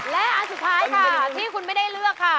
และอันสุดท้ายค่ะที่คุณไม่ได้เลือกค่ะ